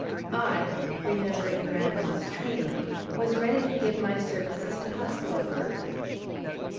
I, remembering grandma's training, was ready to give my services to hospital work.